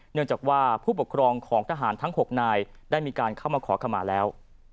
เนื่องจากว่าผู้ปกครองของทหารทั้ง๖นายได้มีการเข้ามาขอขมาแล้ว